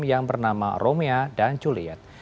yang bernama romea dan juliet